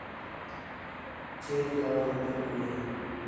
چھے ݙے کاوِڑ لڳدی پئی ہِے